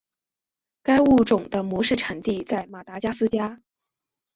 该物种的模式产地在马达加斯加。